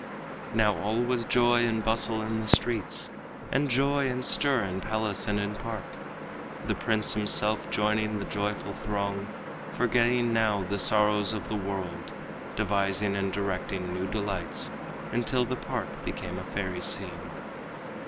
Now all was joy and bustle in the streets, And joy and stir in palace and in park, The prince himself joining the joyful throng, Forgetting now the sorrows of the world. Devising and directing new delights Until the park became a fairy scene.